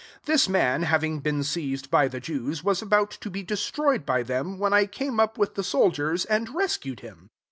9,7 This man, having been seized by the Jews, was about to be destroyed by them, when I came up with the sol diers, and rescued [hkn].